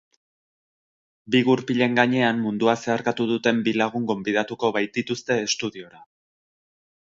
Bi gurpilen gainean mundua zeharkatu duten bi lagun gonbidatuko baitituzte estudiora.